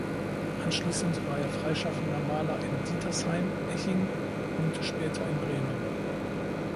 Anschließend war er freischaffender Maler in Dietersheim (Eching) und später in Bremen.